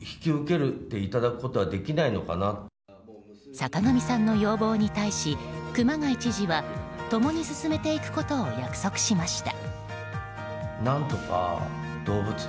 坂上さんの要望に対し熊谷知事は共に進めていくことを約束しました。